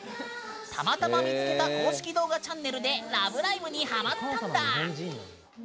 たまたま見つけた公式動画チャンネルで「ラブライブ！」にハマったんだ。